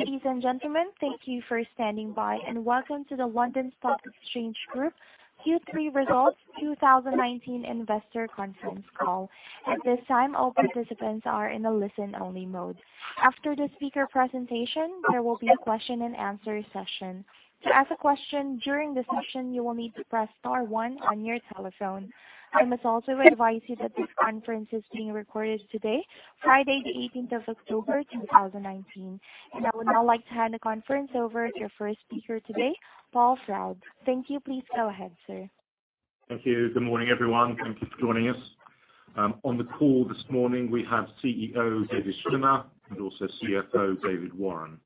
Ladies and gentlemen, thank you for standing by, and welcome to the London Stock Exchange Group Q3 Results 2019 investor conference call. At this time, all participants are in a listen-only mode. After the speaker presentation, there will be a question and answer session. To ask a question during the session, you will need to press star one on your telephone. I must also advise you that this conference is being recorded today, Friday the 18th of October, 2019. I would now like to hand the conference over to your first speaker today, Paul Troub. Thank you. Please go ahead, sir. Thank you. Good morning, everyone. Thank you for joining us. On the call this morning, we have CEO, David Schwimmer, and also CFO, David Warren.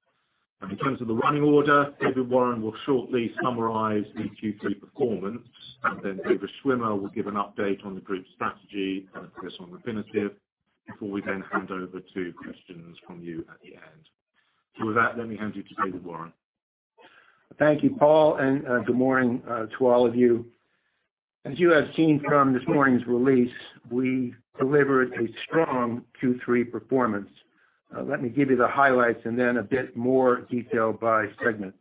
In terms of the running order, David Warren will shortly summarize the Q3 performance, and then David Schwimmer will give an update on the group's strategy and progress on Refinitiv before we then hand over to questions from you at the end. With that, let me hand you to David Warren. Thank you, Paul. Good morning to all of you. As you have seen from this morning's release, we delivered a strong Q3 performance. Let me give you the highlights and then a bit more detail by segment.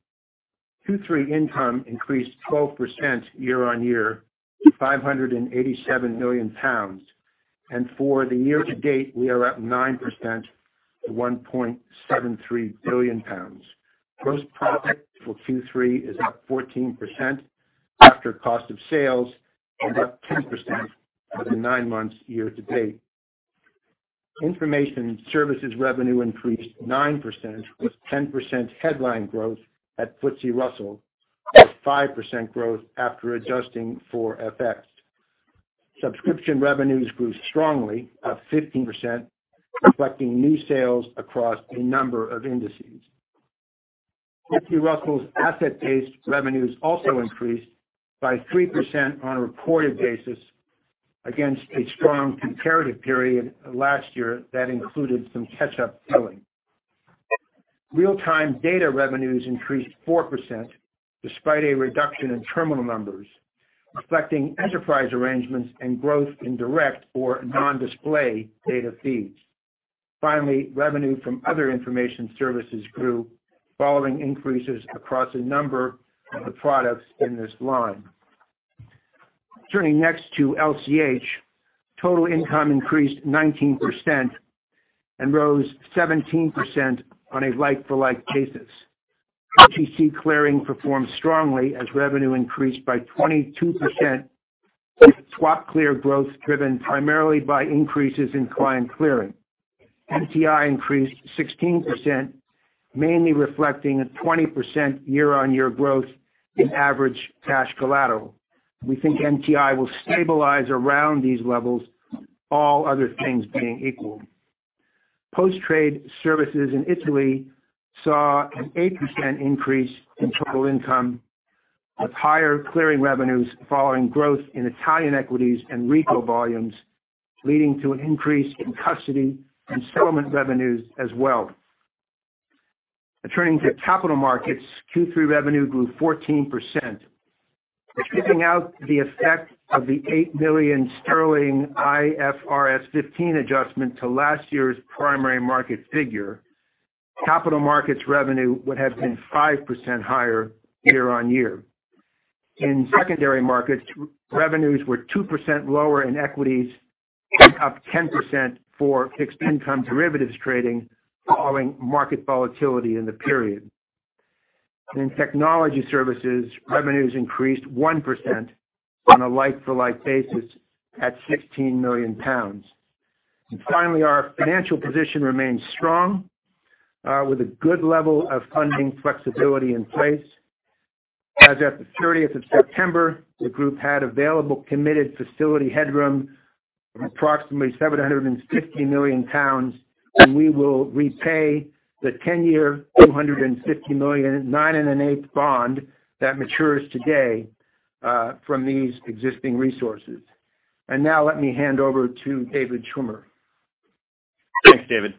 Q3 income increased 12% year-on-year to 587 million pounds. For the year-to-date, we are up 9% to 1.73 billion pounds. Gross profit for Q3 is up 14% after cost of sales, and up 10% for the nine months year-to-date. Information services revenue increased 9%, with 10% headline growth at FTSE Russell, with 5% growth after adjusting for FX. Subscription revenues grew strongly, up 15%, reflecting new sales across a number of indices. FTSE Russell's asset-based revenues also increased by 3% on a reported basis against a strong comparative period last year that included some catch-up billing. Real-time data revenues increased 4%, despite a reduction in terminal numbers, reflecting enterprise arrangements and growth in direct or non-display data feeds. Revenue from other information services grew following increases across a number of the products in this line. Turning next to LCH, total income increased 19% and rose 17% on a like-for-like basis. LCH Clearing performed strongly as revenue increased by 22%, with SwapClear growth driven primarily by increases in client clearing. NTI increased 16%, mainly reflecting a 20% year-on-year growth in average cash collateral. We think NTI will stabilize around these levels, all other things being equal. Post Trade Italy saw an 8% increase in total income, with higher clearing revenues following growth in Italian equities and recall volumes, leading to an increase in custody and settlement revenues as well. Turning to capital markets, Q3 revenue grew 14%. Taking out the effect of the 8 million sterling IFRS 15 adjustment to last year's primary market figure, capital markets revenue would have been 5% higher year-on-year. In secondary markets, revenues were 2% lower in equities and up 10% for fixed income derivatives trading following market volatility in the period. In technology services, revenues increased 1% on a like-for-like basis at 16 million pounds. Finally, our financial position remains strong, with a good level of funding flexibility in place. As at the 30th of September, the group had available committed facility headroom of approximately 750 million pounds. We will repay the 10-year, $250 million, nine and an eighth bond that matures today from these existing resources. Now let me hand over to David Schwimmer. Thanks, David.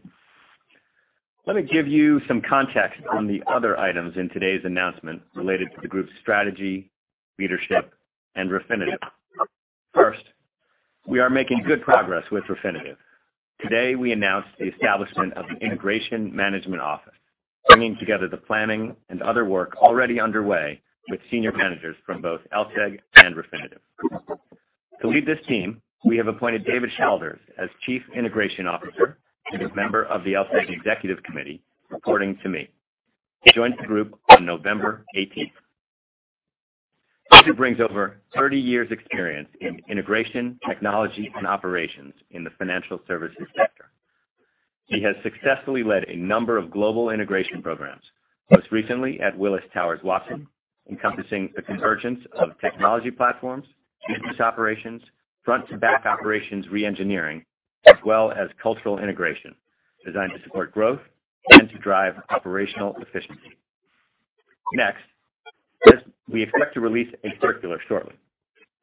Let me give you some context on the other items in today's announcement related to the group's strategy, leadership, and Refinitiv. We are making good progress with Refinitiv. Today, we announced the establishment of an Integration Management Office, bringing together the planning and other work already underway with senior managers from both LSEG and Refinitiv. To lead this team, we have appointed David Shalders as Chief Integration Officer and a member of the LSEG Executive Committee, reporting to me. He joins the group on November 18th. David brings over 30 years experience in integration, technology, and operations in the financial services sector. He has successfully led a number of global integration programs, most recently at Willis Towers Watson, encompassing the convergence of technology platforms, business operations, front-to-back operations re-engineering, as well as cultural integration designed to support growth and to drive operational efficiency. We expect to release a circular shortly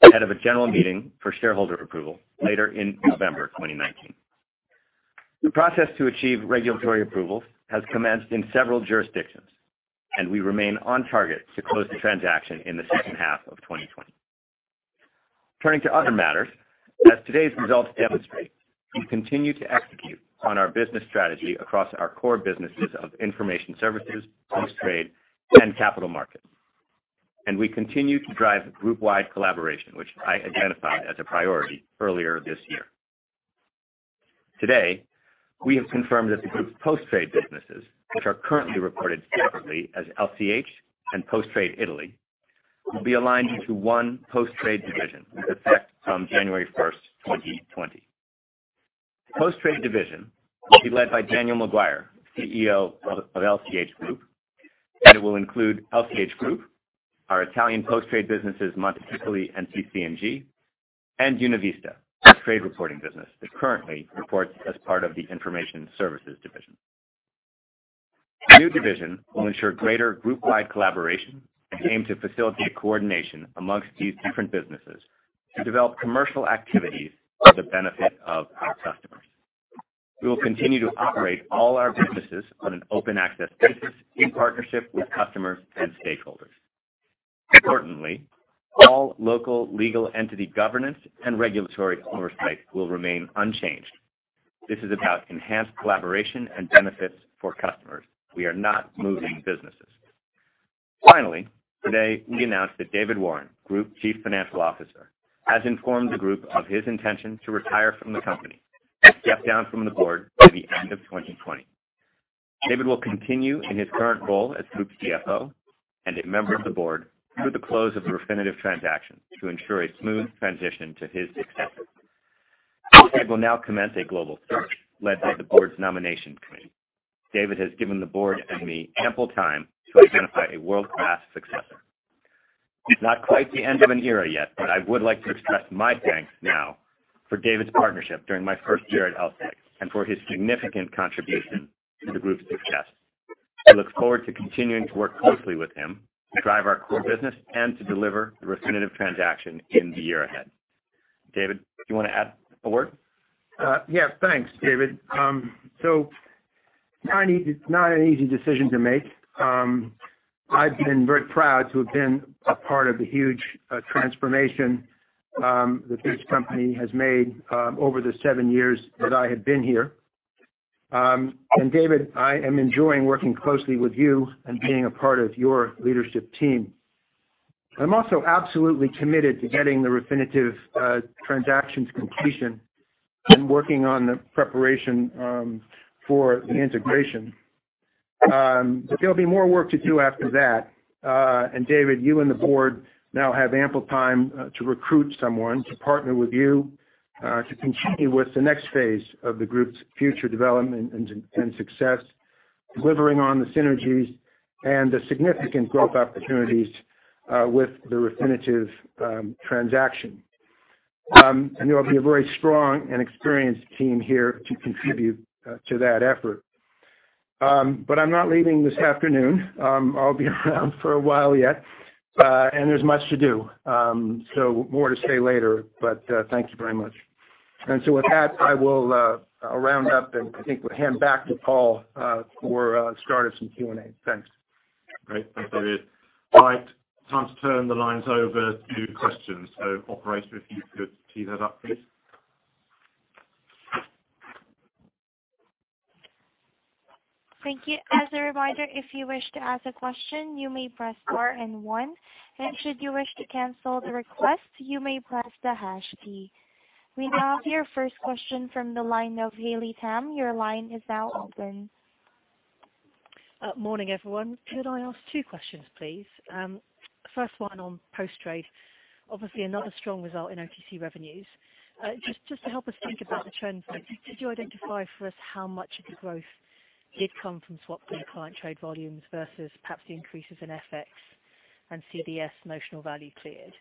ahead of a general meeting for shareholder approval later in November 2019. The process to achieve regulatory approvals has commenced in several jurisdictions. We remain on target to close the transaction in the second half of 2020. Turning to other matters. As today's results demonstrate, we continue to execute on our business strategy across our core businesses of information services, post-trade, and capital markets. We continue to drive group-wide collaboration, which I identified as a priority earlier this year. Today, we have confirmed that the group's post-trade businesses, which are currently reported separately as LCH and Post Trade Italy, will be aligned into one post-trade division with effect from January 1st, 2020. Post trade division will be led by Daniel Maguire, CEO of LCH Group, and it will include LCH Group, our Italian post trade businesses, Monte Titoli and CC&G, and UnaVista, our trade reporting business that currently reports as part of the Information Services division. The new division will ensure greater group-wide collaboration and aim to facilitate coordination amongst these different businesses to develop commercial activities for the benefit of our customers. We will continue to operate all our businesses on an open access basis in partnership with customers and stakeholders. Importantly, all local legal entity governance and regulatory oversight will remain unchanged. This is about enhanced collaboration and benefits for customers. We are not moving businesses. Finally, today, we announced that David Warren, Group Chief Financial Officer, has informed the group of his intention to retire from the company and step down from the board by the end of 2020. David will continue in his current role as Group CFO and a member of the board through the close of the Refinitiv transaction to ensure a smooth transition to his successor. We will now commence a global search led by the board's nomination committee. David has given the board and me ample time to identify a world-class successor. It's not quite the end of an era yet, but I would like to express my thanks now for David's partnership during my first year at LSEG, and for his significant contribution to the group's success. I look forward to continuing to work closely with him to drive our core business and to deliver the Refinitiv transaction in the year ahead. David, do you want to add a word? It's not an easy decision to make. I've been very proud to have been a part of the huge transformation that this company has made over the seven years that I have been here. David, I am enjoying working closely with you and being a part of your leadership team. I'm also absolutely committed to getting the Refinitiv transaction's completion and working on the preparation for the integration. There'll be more work to do after that, and David, you and the board now have ample time to recruit someone to partner with you to continue with the next phase of the group's future development and success, delivering on the synergies and the significant growth opportunities with the Refinitiv transaction. There will be a very strong and experienced team here to contribute to that effort. I'm not leaving this afternoon. I'll be around for a while yet, and there's much to do. More to say later, but thank you very much. With that, I will round up and I think hand back to Paul for start of some Q&A. Thanks. Great. Thanks, David. All right, time to turn the lines over to questions. Operator, if you could tee that up, please. Thank you. As a reminder, if you wish to ask a question, you may press star and one, and should you wish to cancel the request, you may press the hash key. We now have your first question from the line of Haley Tam. Your line is now open. Morning, everyone. Could I ask two questions, please? First one on post trade. Obviously another strong result in OTC revenues. Just to help us think about the trend points, could you identify for us how much of the growth did come from swap from the client trade volumes versus perhaps the increases in FX and CDS notional value cleared?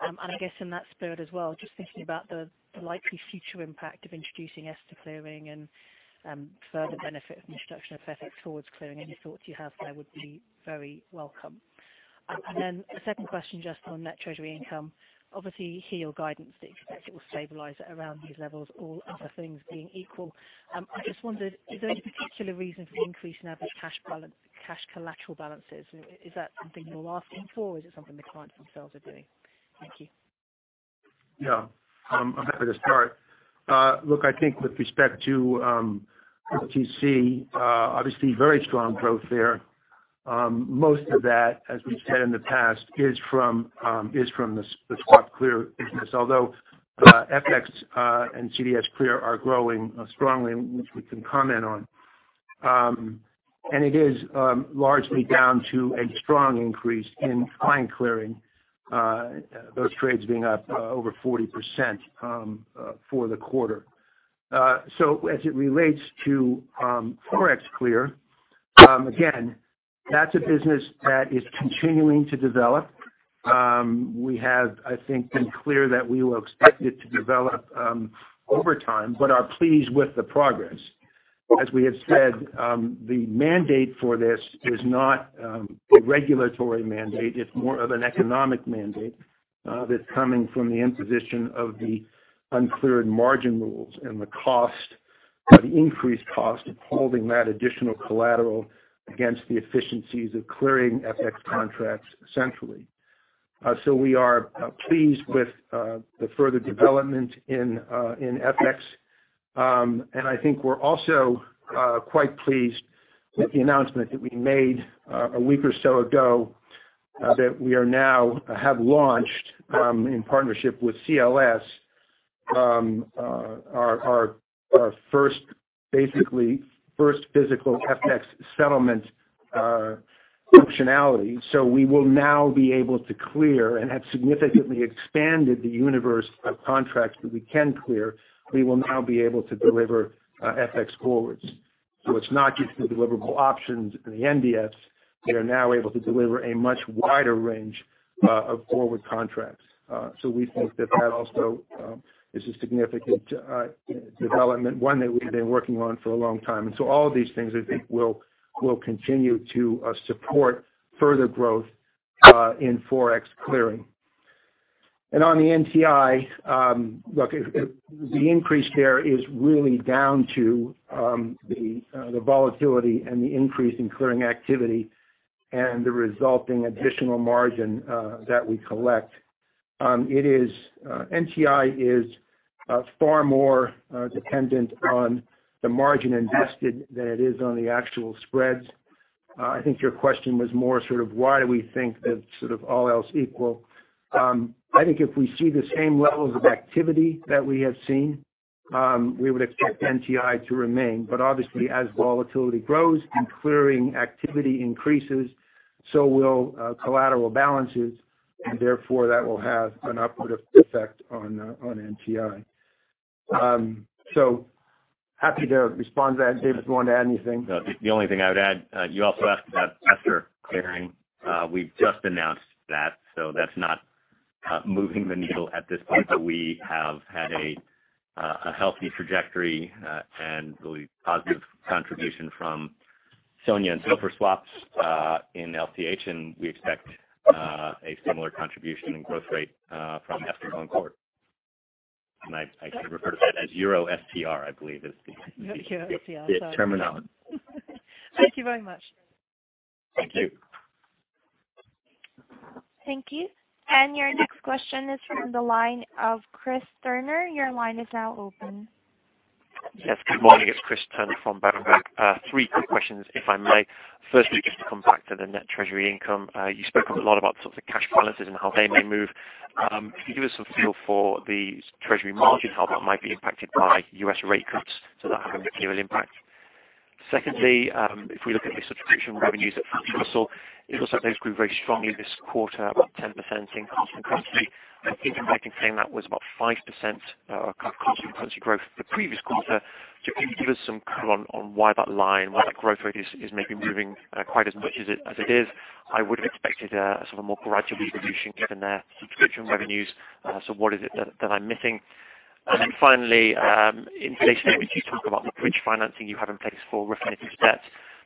I guess in that spirit as well, just thinking about the likely future impact of introducing €STR clearing and further benefit from the introduction of FX forwards clearing. Any thoughts you have there would be very welcome. A second question just on net treasury income. Obviously, here your guidance that you expect it will stabilize at around these levels, all other things being equal. I just wondered, is there any particular reason for the increase in average cash collateral balances? Is that something you're asking for, or is it something the clients themselves are doing? Thank you. I'm happy to start. I think with respect to OTC, obviously very strong growth there. Most of that, as we've said in the past, is from the SwapClear business. Although FX and CDSClear are growing strongly, which we can comment on. It is largely down to a strong increase in client clearing, those trades being up over 40% for the quarter. As it relates to ForexClear, again, that's a business that is continuing to develop. We have, I think, been clear that we will expect it to develop over time but are pleased with the progress. As we have said, the mandate for this is not a regulatory mandate, it's more of an economic mandate that's coming from the imposition of the uncleared margin rules and the increased cost of holding that additional collateral against the efficiencies of clearing FX contracts centrally. We are pleased with the further development in FX. I think we're also quite pleased with the announcement that we made a week or so ago, that we have launched, in partnership with CLS, our first physical FX settlement functionality. We will now be able to clear and have significantly expanded the universe of contracts that we can clear. We will now be able to deliver FX forwards. It's not just the deliverable options in the NDFs, we are now able to deliver a much wider range of forward contracts. We think that that also is a significant development, one that we've been working on for a long time. All of these things I think will continue to support further growth in forex clearing. On the NTI, look, the increase there is really down to the volatility and the increase in clearing activity and the resulting additional margin that we collect. NTI is far more dependent on the margin invested than it is on the actual spreads. I think your question was more why do we think that sort of all else equal. I think if we see the same levels of activity that we have seen, we would expect NTI to remain. Obviously as volatility grows and clearing activity increases, so will collateral balances, and therefore that will have an upward effect on NTI. Happy to respond to that. David, do you want to add anything? No. The only thing I would add, you also asked about €STR clearing. We've just announced that, so that's not moving the needle at this point, but we have had a healthy trajectory, and really positive contribution from SONIA and SOFR swaps in LCH, we expect a similar contribution in growth rate from €STR going forward. I should refer to that as Euro €STR, I believe is the. €STR, sorry. the terminology. Thank you very much. Thank you. Thank you. Your next question is from the line of Chris Turner. Your line is now open. Yes. Good morning. It's Chris Turner from Berenberg. Three quick questions, if I may. Firstly, just to come back to the net treasury income. You spoke a lot about the sorts of cash balances and how they may move. Can you give us a feel for the treasury margin, how that might be impacted by U.S. rate cuts so that have a material impact? Secondly, if we look at the subscription revenues at FTSE Russell, it looks like those grew very strongly this quarter, about 10% in constant currency. I think in my claim that was about 5% kind of constant currency growth the previous quarter. Can you give us some color on why that line, why that growth rate is maybe moving quite as much as it is? I would've expected a sort of more gradual evolution given their subscription revenues. What is it that I'm missing? Finally, in today's statement, you talk about the bridge financing you have in place for Refinitiv.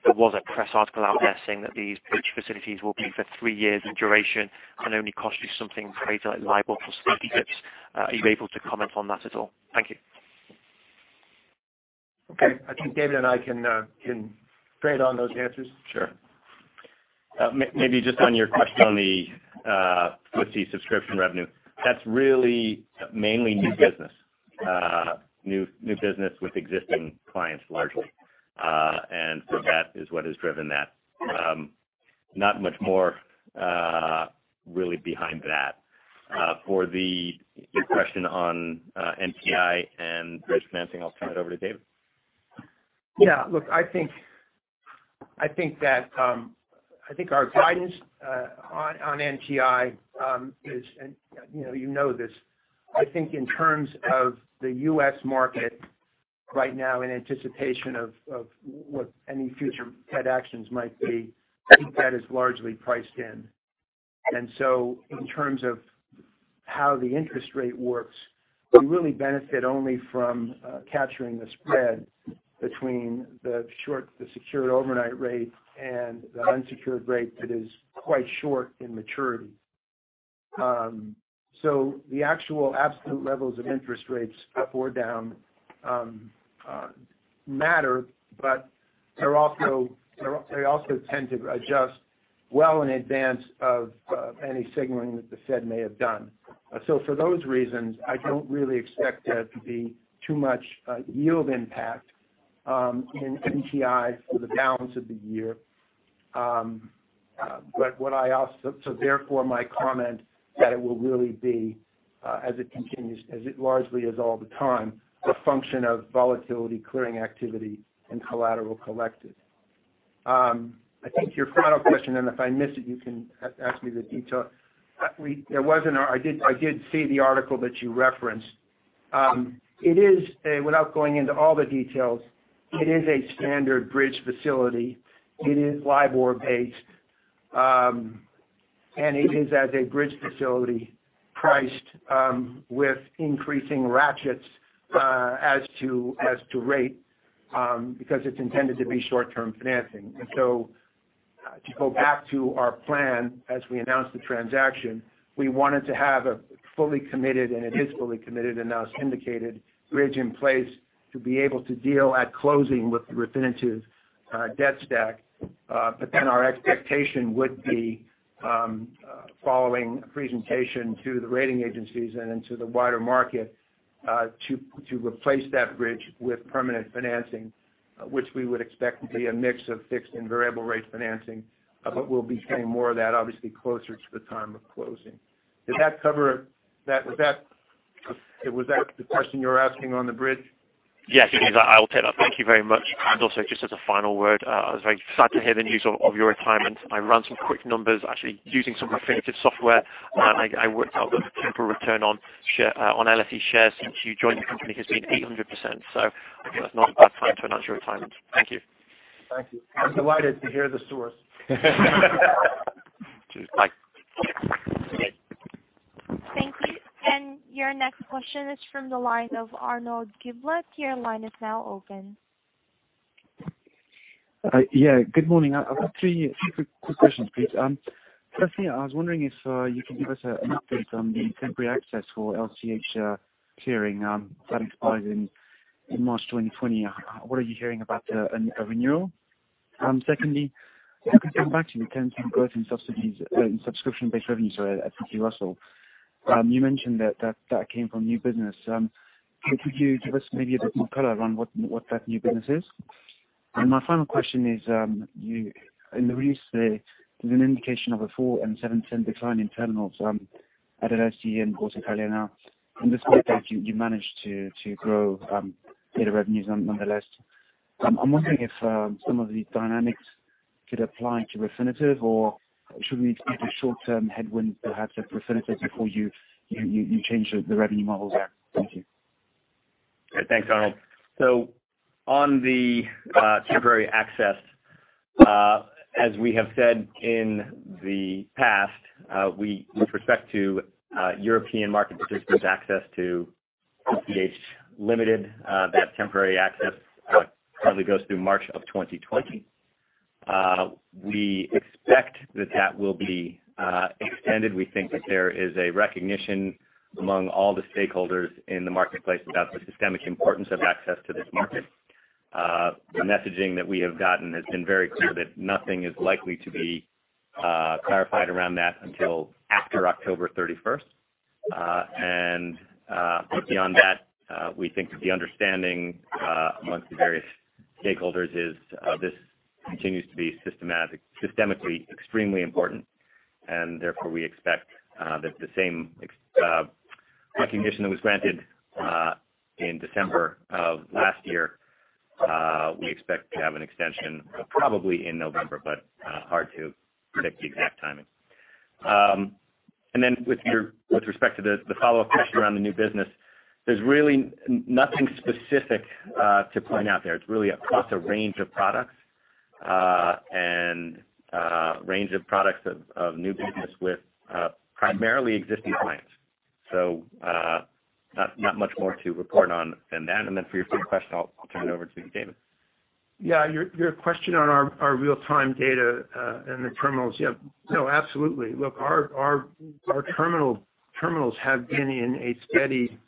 There was a press article out there saying that these bridge facilities will be for three years in duration and only cost you something crazy like LIBOR plus 50 basis points. Are you able to comment on that at all? Thank you. Okay. I think David and I can trade on those answers. Sure. Maybe just on your question on the FTSE subscription revenue, that's really mainly new business. New business with existing clients largely. That is what has driven that. Not much more really behind that. For your question on NTI and bridge financing, I'll turn it over to David. Yeah. Look, I think our guidance on NTI is, and you know this, I think in terms of the U.S. market right now in anticipation of what any future Fed actions might be, I think that is largely priced in. In terms of how the interest rate works, we really benefit only from capturing the spread between the secured overnight rate and the unsecured rate that is quite short in maturity. The actual absolute levels of interest rates up or down matter, but they also tend to adjust well in advance of any signaling that the Fed may have done. For those reasons, I don't really expect there to be too much yield impact in NTI for the balance of the year. Therefore my comment that it will really be as it largely is all the time, a function of volatility clearing activity and collateral collected. I think your final question, and if I missed it, you can ask me the detail. I did see the article that you referenced. Without going into all the details, it is a standard bridge facility. It is LIBOR-based. It is as a bridge facility priced with increasing ratchets as to rate, because it's intended to be short-term financing. To go back to our plan as we announced the transaction, we wanted to have a fully committed, and it is fully committed and now it's indicated, bridge in place to be able to deal at closing with the Refinitiv debt stack. Our expectation would be, following a presentation to the rating agencies and then to the wider market, to replace that bridge with permanent financing, which we would expect would be a mix of fixed and variable rate financing. We'll be saying more of that obviously closer to the time of closing. Did that cover the question you were asking on the bridge? Yes, it is. I will take that. Thank you very much. Also, just as a final word, I was very sad to hear the news of your retirement. I ran some quick numbers actually using some Refinitiv software, and I worked out that the total return on LSE shares since you joined the company has been 800%. I guess that's not a bad time to announce your retirement. Thank you. Thank you. I'm delighted to hear the source. Cheers. Bye. Thank you. Your next question is from the line of Arnaud Giblat. Your line is now open. Yeah. Good morning. I've got three quick questions, please. I was wondering if you can give us an update on the temporary access for LCH clearing. That expires in March 2020. What are you hearing about a renewal? If I can come back to the 10% growth in subscription-based revenues at FTSE Russell. You mentioned that that came from new business. Could you give us maybe a bit more color around what that new business is? My final question is, in the release, there's an indication of a 4% and 7% decline in terminals at LSE and Borsa Italiana. In this context, you managed to grow data revenues nonetheless. I'm wondering if some of these dynamics could apply to Refinitiv, or should we expect a short-term headwind perhaps at Refinitiv before you change the revenue models there? Thank you. Thanks, Arnaud. On the temporary access, as we have said in the past, with respect to European market participants' access to LCH Limited, that temporary access probably goes through March of 2020. We expect that that will be extended. We think that there is a recognition among all the stakeholders in the marketplace about the systemic importance of access to this market. The messaging that we have gotten has been very clear that nothing is likely to be clarified around that until after October 31st. Beyond that, we think that the understanding amongst the various stakeholders is this continues to be systemically extremely important. Therefore, we expect that the same recognition that was granted in December of last year, we expect to have an extension probably in November, but hard to predict the exact timing. With respect to the follow-up question around the new business, there's really nothing specific to point out there. It's really across a range of products, and range of products of new business with primarily existing clients. Not much more to report on than that. For your third question, I'll turn it over to you, David. Your question on our real-time data and the terminals. No, absolutely. Look, our terminals have been in a steady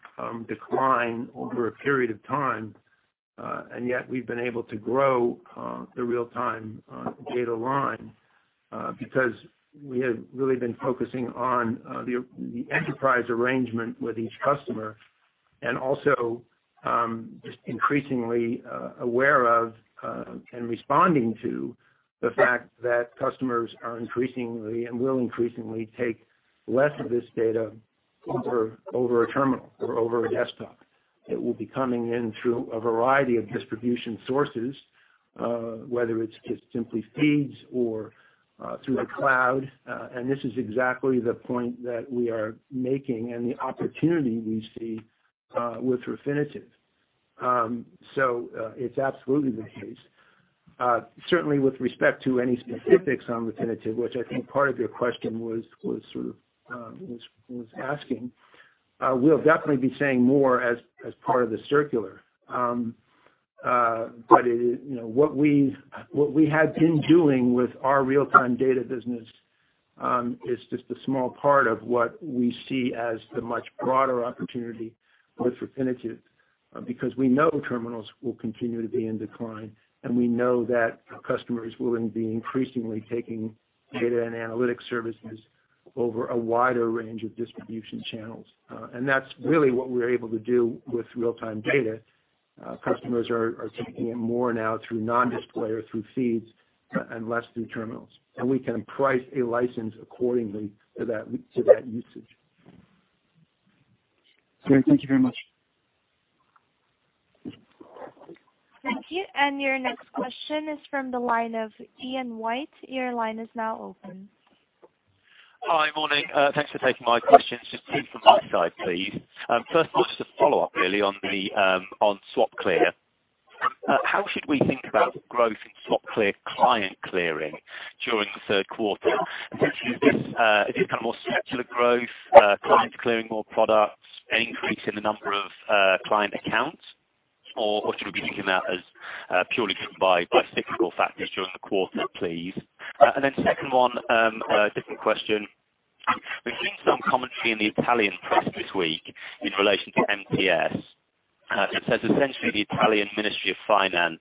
decline over a period of time, and yet we've been able to grow the real-time data line because we have really been focusing on the enterprise arrangement with each customer, and also just increasingly aware of and responding to the fact that customers are increasingly, and will increasingly take less of this data over a terminal or over a desktop. It will be coming in through a variety of distribution sources, whether it's just simply feeds or through the cloud. This is exactly the point that we are making and the opportunity we see with Refinitiv. It's absolutely the case. Certainly with respect to any specifics on Refinitiv, which I think part of your question was asking, we'll definitely be saying more as part of the circular. What we had been doing with our real-time data business is just a small part of what we see as the much broader opportunity with Refinitiv because we know terminals will continue to be in decline, and we know that customers will be increasingly taking data and analytics services over a wider range of distribution channels. That's really what we're able to do with real-time data. Customers are taking it more now through non-display or through feeds and less through terminals. We can price a license accordingly to that usage. Great. Thank you very much. Thank you. Your next question is from the line of Ian White. Your line is now open. Hi. Morning. Thanks for taking my questions. Just two from my side, please. First of all, just a follow-up really on SwapClear. How should we think about growth in SwapClear client clearing during the third quarter? Essentially, is this kind of more secular growth, clients clearing more products, an increase in the number of client accounts? Should we be thinking that as purely driven by cyclical factors during the quarter, please? Second one, a different question. We've seen some commentary in the Italian press this week in relation to MTS. It says essentially the Italian Ministry of Economy and Finance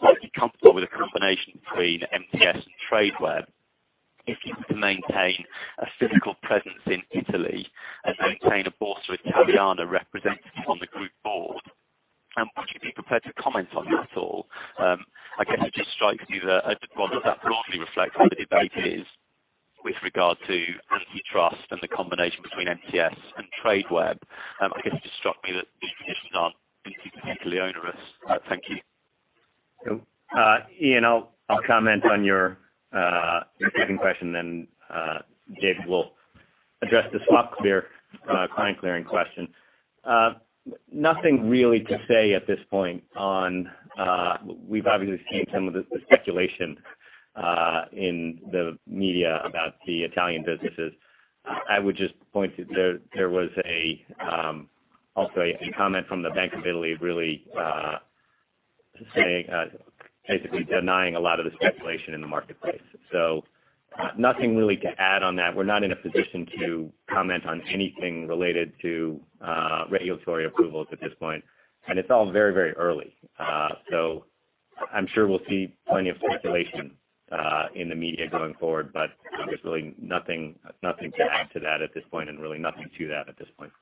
might be comfortable with a combination between MTS and Tradeweb, if you were to maintain a physical presence in Italy and maintain a Borsa Italiana representative on the group board. Would you be prepared to comment on that at all? I guess it just strikes me that, I just wonder if that broadly reflects how the debate is with regard to antitrust and the combination between MTS and Tradeweb. I guess it just struck me that these conditions aren't particularly onerous. Thank you. Ian, I'll comment on your second question then David will address the SwapClear, client clearing question. Nothing really to say at this point on. We've obviously seen some of the speculation in the media about the Italian businesses. I would just point to, there was also a comment from the Bank of Italy, really saying, basically denying a lot of the speculation in the marketplace. Nothing really to add on that. We're not in a position to comment on anything related to regulatory approvals at this point, and it's all very early. I'm sure we'll see plenty of speculation in the media going forward, but there's really nothing to add to that at this point and really nothing to that at this point.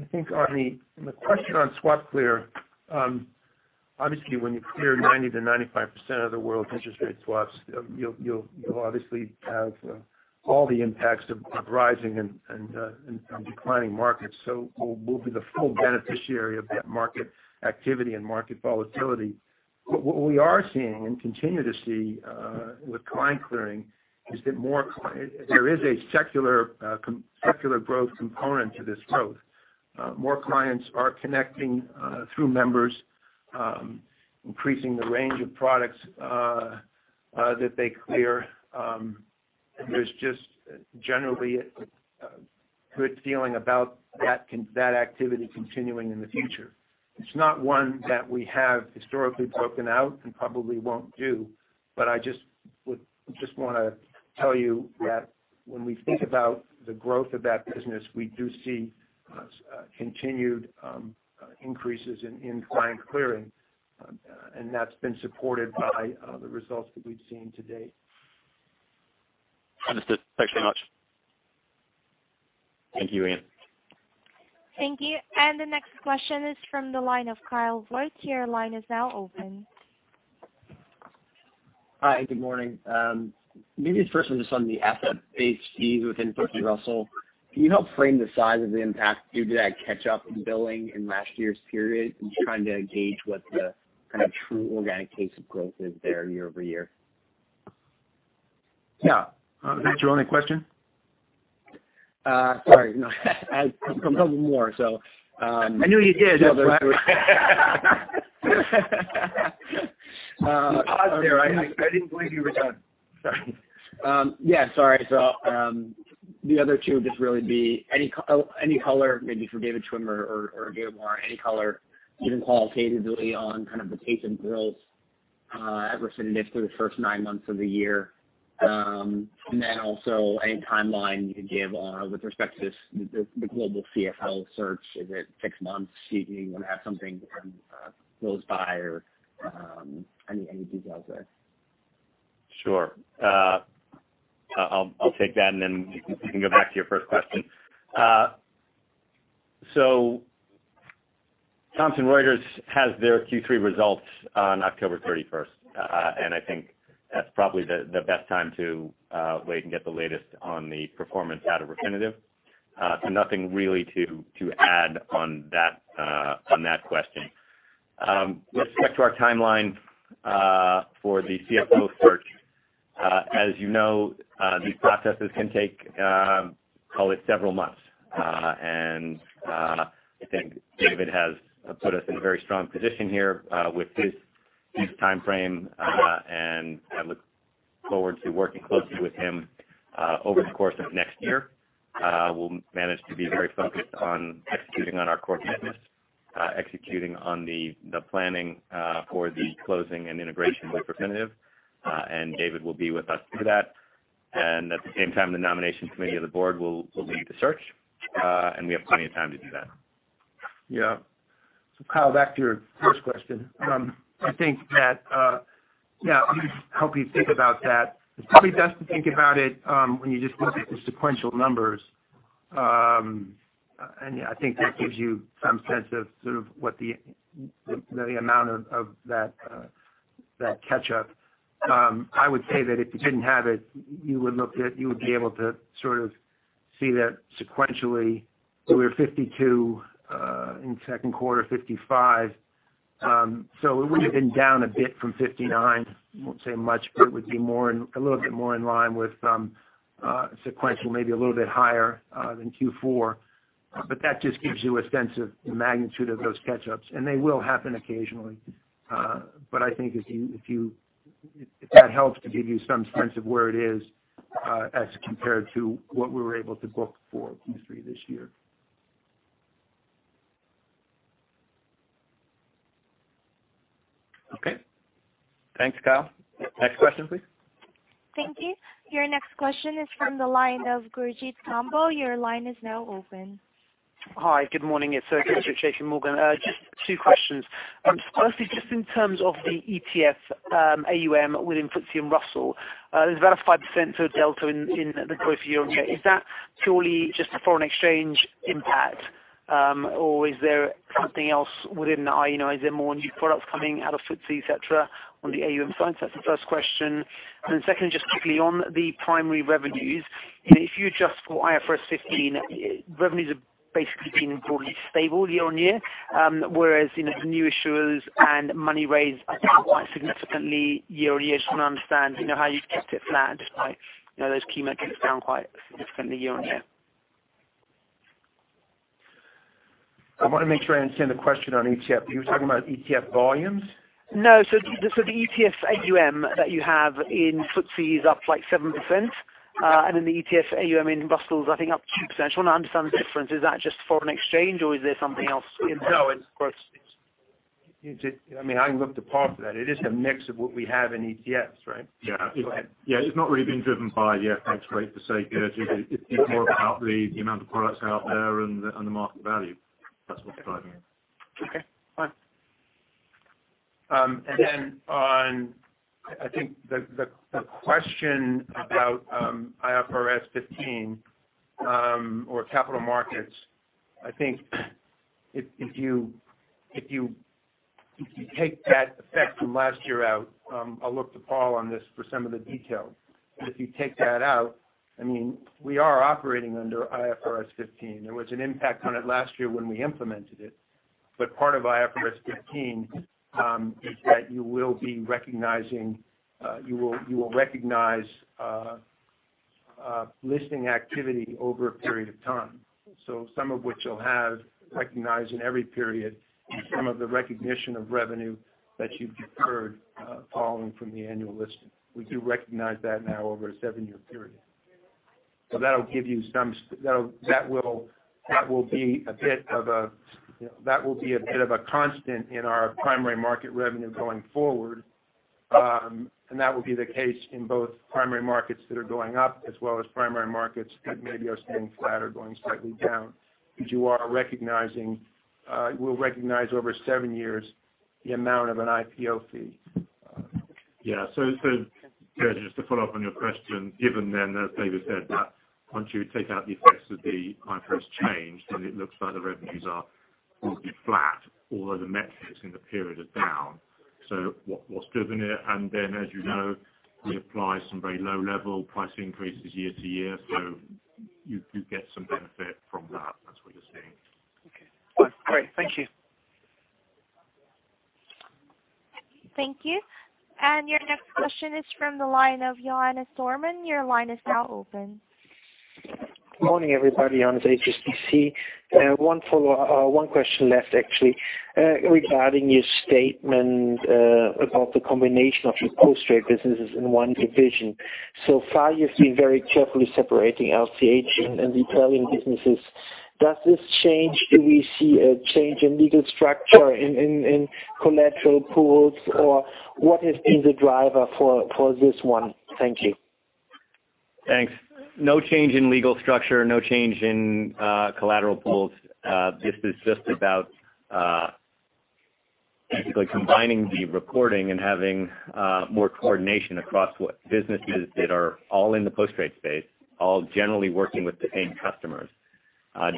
I think, on the question on SwapClear, obviously, when you clear 90%-95% of the world's interest rate swaps, you'll obviously have all the impacts of rising and declining markets. We'll be the full beneficiary of that market activity and market volatility. What we are seeing and continue to see with client clearing is that there is a secular growth component to this growth. More clients are connecting through members, increasing the range of products that they clear. There's just generally a good feeling about that activity continuing in the future. It's not one that we have historically broken out and probably won't do, but I just want to tell you that when we think about the growth of that business, we do see continued increases in client clearing, and that's been supported by the results that we've seen to date. Understood. Thanks very much. Thank you, Ian. Thank you. The next question is from the line of Kyle Voigt. Your line is now open. Hi, good morning. Maybe just first one just on the asset-based fees within FTSE Russell. Can you help frame the size of the impact due to that catch-up in billing in last year's period? I'm just trying to gauge what the kind of true organic pace of growth is there year-over-year. Yeah. Is that your only question? Sorry. No. I have a couple more. I knew you did. You paused there. I didn't believe you were done. Sorry. Yeah, sorry. The other two would just really be any color, maybe for David Schwimmer or David Warren, any color, even qualitatively on the pace of growth at Refinitiv through the first nine months of the year. Also any timeline you could give with respect to the global CFO search. Is it six months? Do you want to have something done, close by or any details there? Sure. I'll take that, then you can go back to your first question. Thomson Reuters has their Q3 results on October 31st. I think that's probably the best time to wait and get the latest on the performance out of Refinitiv. Nothing really to add on that question. With respect to our timeline for the CFO search, as you know, these processes can take, call it several months. I think David has put us in a very strong position here with his timeframe, and I look forward to working closely with him over the course of next year. We'll manage to be very focused on executing on our core business, executing on the planning for the closing and integration with Refinitiv. David will be with us through that. At the same time, the nomination committee of the board will lead the search. We have plenty of time to do that. Kyle, back to your first question. I think that, let me help you think about that. It's probably best to think about it when you just look at the sequential numbers. I think that gives you some sense of sort of what the amount of that catch-up. I would say that if you didn't have it, you would be able to sort of see that sequentially, we were 52 in second quarter 55. It would've been down a bit from 59. I won't say much, but it would be a little bit more in line with sequential, maybe a little bit higher than Q4. That just gives you a sense of the magnitude of those catch-ups. They will happen occasionally. I think if that helps to give you some sense of where it is, as compared to what we were able to book for Q3 this year. Okay. Thanks, Kyle. Next question please. Thank you. Your next question is from the line of Gurjit Kambo. Your line is now open. Hi, good morning. It's Gurjit at JPMorgan. Just two questions. Firstly, just in terms of the ETF AUM within FTSE and Russell, there's about a 5% sort of delta in the growth year-over-year. Is that purely just a foreign exchange impact? Is there something else within that? Is there more new products coming out of FTSE, et cetera, on the AUM side? That's the first question. Secondly, just quickly on the primary revenues, if you adjust for IFRS 15, revenues have basically been broadly stable year-over-year. The new issuers and money raised I think quite significantly year-over-year. I just want to understand how you've kept it flat. Those key metrics down quite significantly year-over-year. I want to make sure I understand the question on ETF. Are you talking about ETF volumes? No. The ETF AUM that you have in FTSE is up like 7%, and then the ETF AUM in Russell is I think up 2%. Just want to understand the difference. Is that just foreign exchange or is there something else in play? No, of course. I can look to Paul for that. It is a mix of what we have in ETFs, right? Yeah. Go ahead. It's not really been driven by the FX rate per se, Gurjit. It's more about the amount of products out there and the market value. That's what's driving it. Okay. Fine. On, I think, the question about IFRS 15, or capital markets, I think if you take that effect from last year out, I'll look to Paul on this for some of the detail. If you take that out, we are operating under IFRS 15. There was an impact on it last year when we implemented it. Part of IFRS 15 is that you will recognize listing activity over a period of time. Some of which you'll have recognized in every period and some of the recognition of revenue that you've deferred following from the annual listing. We do recognize that now over a seven-year period. That will be a bit of a constant in our primary market revenue going forward. That will be the case in both primary markets that are going up as well as primary markets that maybe are staying flat or going slightly down. We'll recognize over seven years the amount of an IPO fee. Yeah. Gurjit, just to follow up on your question, given then, as David said, that once you take out the effects of the IFRS change, then it looks like the revenues are broadly flat, although the metrics in the period are down. What's driven it, and then as you know, we apply some very low-level price increases year to year, so you do get some benefit from that. That's what you're seeing. Okay. Great. Thank you. Thank you. Your next question is from the line of Johannes Thormann. Your line is now open. Morning, everybody. Johannes, HSBC. One follow-up, one question left actually, regarding your statement about the combination of your post-trade businesses in one division. So far, you've been very carefully separating LCH and the Italian businesses. Does this change, do we see a change in legal structure in collateral pools, or what has been the driver for this one? Thank you. Thanks. No change in legal structure, no change in collateral pools. This is just about basically combining the reporting and having more coordination across what businesses that are all in the post-trade space, all generally working with the same customers,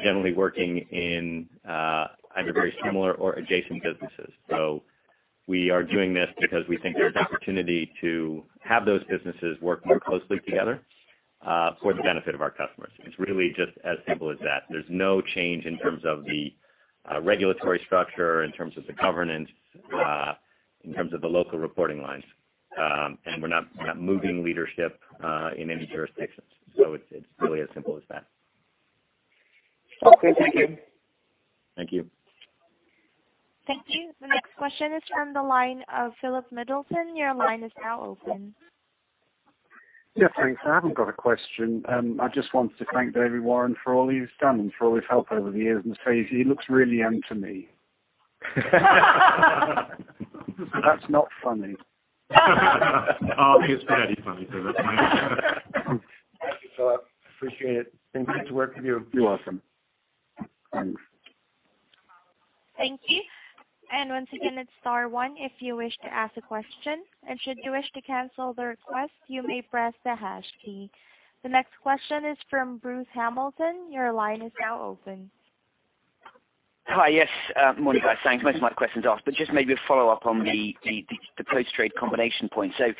generally working in either very similar or adjacent businesses. We are doing this because we think there's opportunity to have those businesses work more closely together, for the benefit of our customers. It's really just as simple as that. There's no change in terms of the regulatory structure, in terms of the governance, in terms of the local reporting lines. We're not moving leadership in any jurisdictions. It's really as simple as that. Okay. Thank you. Thank you. Thank you. The next question is from the line of Philip Middleton. Your line is now open. Yeah, thanks. I haven't got a question. I just wanted to thank David Warren for all he's done and for all his help over the years, and to say he looks really young to me. That's not funny. Oh, it's very funny, Philip. Thank you, Philip. Appreciate it. Been good to work with you. You're welcome. Thanks. Thank you. Once again, it's star one if you wish to ask a question. Should you wish to cancel the request, you may press the hash key. The next question is from Bruce Hamilton. Your line is now open. Hi. Yes. Morning, guys. Thanks. Most of my questions are asked. Just maybe a follow-up on the post-trade combination point. It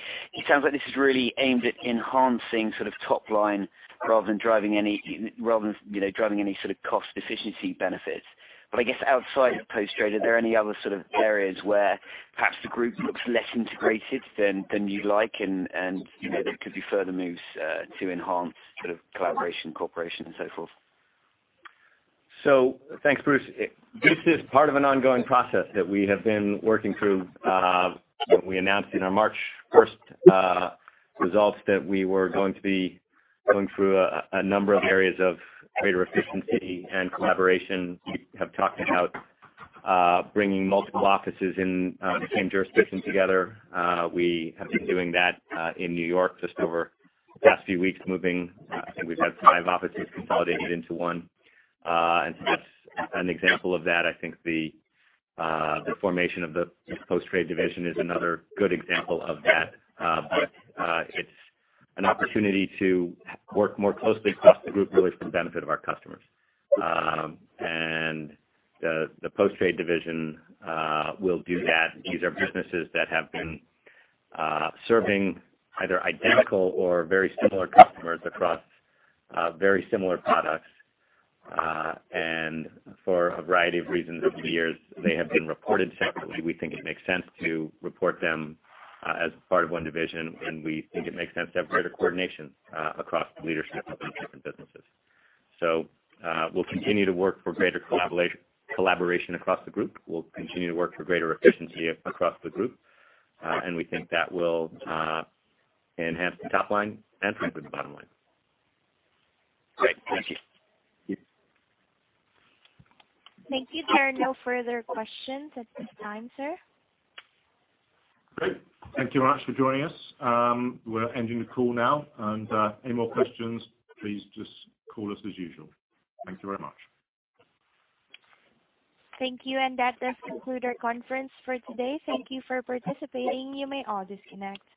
sounds like this is really aimed at enhancing top line rather than driving any sort of cost efficiency benefits. I guess outside of post-trade, are there any other areas where perhaps the group looks less integrated than you'd like, and there could be further moves to enhance collaboration, cooperation, and so forth? Thanks, Bruce. This is part of an ongoing process that we have been working through. We announced in our March 1st results that we were going to be going through a number of areas of greater efficiency and collaboration. We have talked about bringing multiple offices in the same jurisdiction together. We have been doing that in New York just over the past few weeks, moving, I think we've had five offices consolidated into one. That's an example of that. I think the formation of the post-trade division is another good example of that. It's an opportunity to work more closely across the Group really for the benefit of our customers. The post-trade division will do that. These are businesses that have been serving either identical or very similar customers across very similar products. For a variety of reasons over the years, they have been reported separately. We think it makes sense to report them as part of one division, and we think it makes sense to have greater coordination across the leadership of these different businesses. We'll continue to work for greater collaboration across the Group. We'll continue to work for greater efficiency across the Group. We think that will enhance the top line and improve the bottom line. Great. Thank you. Thank you. There are no further questions at this time, sir. Great. Thank you much for joining us. We're ending the call now, and any more questions, please just call us as usual. Thank you very much. Thank you. That does conclude our conference for today. Thank you for participating. You may all disconnect.